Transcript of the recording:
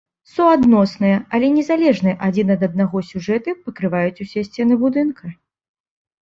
Суадносныя, але незалежныя адзін ад аднаго сюжэты пакрываюць усе сцены будынка.